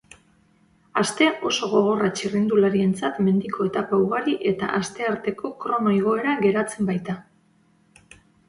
Aste oso gogorra txirrindularientzat mendiko etapa ugari eta astearteko krono-igoera geratzen baita.